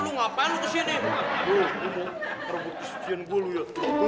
lu mau terbukti kesian gua lu ya